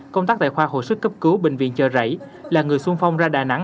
công tác tại khoa hội sức cấp cứu bệnh viện chờ rảy là người xuân phong ra đà nẵng